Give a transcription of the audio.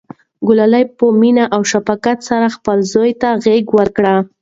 ګلالۍ په مینه او شفقت سره خپل زوی ته غږ وکړ.